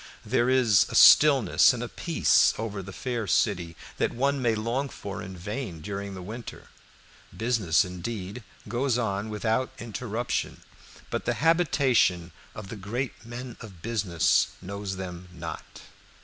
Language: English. There is a stillness and a peace over the fair city that one may long for in vain during the winter. Business indeed goes on without interruption, but the habitation of the great men of business knows them not.